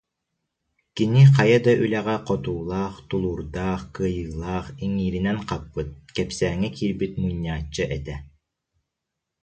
Кини хайа да үлэҕэ хотуулаах, тулуурдаах, кыайыылаах, иҥииринэн хаппыт, кэпсээҥҥэ киирбит мунньааччы этэ